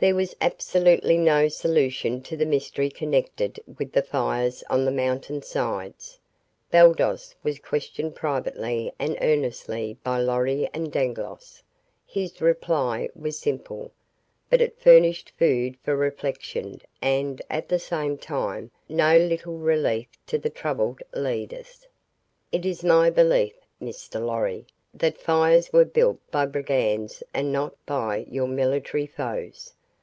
There was absolutely no solution to the mystery connected with the fires on the mountain sides. Baldos was questioned privately and earnestly by Lorry and Dangloss. His reply was simple, but it furnished food for reflection and, at the same time, no little relief to the troubled leaders. "It is my belief, Mr. Lorry, that the fires were built by brigands and not by your military foes.